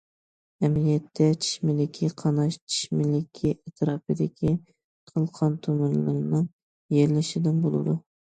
ئەمەلىيەتتە چىش مىلىكى قاناش چىش مىلىكى ئەتراپىدىكى قىل قان تومۇرلىرىنىڭ يېرىلىشىدىن بولىدۇ.